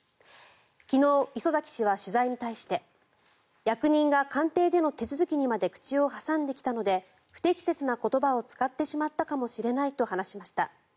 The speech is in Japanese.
昨日、礒崎氏は取材に対して役人が官邸での手続きにまで口を挟んできたので不適切な言葉を使ってしまったかもしれないと話しました。